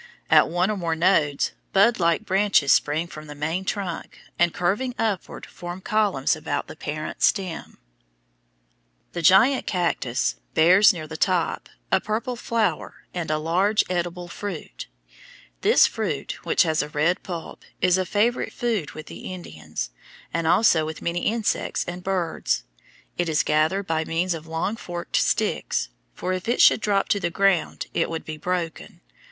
At one or more nodes, bud like branches spring from the main trunk and, curving upward, form columns about the parent stem. [Illustration: FIG. 84. THE PALO VERDE TREE AND SAGUARO] The giant cactus bears near the top a purple flower and a large, edible fruit. This fruit, which has a red pulp, is a favorite food with the Indians, and also with many insects and birds. It is gathered by means of long forked sticks, for if it should drop to the ground it would be broken.